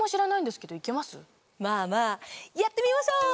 まぁまぁやってみましょう！